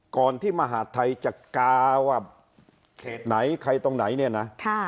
ก่อนที่มหาธัยจะกายว่าคนไหนเราไหนเนี่ยนะ